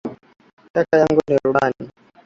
Kaka yangu ni rubani.